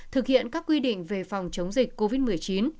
thực hiện các quy định về phòng chống dịch covid một mươi chín